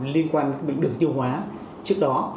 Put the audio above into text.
liên quan đến bệnh đường tiêu hóa trước đó